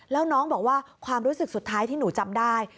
แล้วน้องบอกว่าความรู้สึกสุดท้ายที่หนูจำได้